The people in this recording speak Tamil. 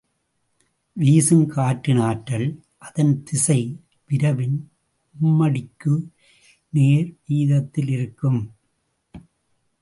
வீசும் காற்றின் ஆற்றல் அதன் திசை விரைவின் மும்மடிக்கு நேர்வீதத்திலிருக்கும்.